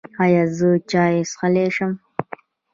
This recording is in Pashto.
ایا زه چای څښلی شم؟